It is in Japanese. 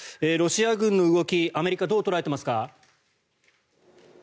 ロシア軍の動きをアメリカはどう捉えていますか。